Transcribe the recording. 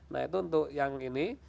nah itu untuk yang ini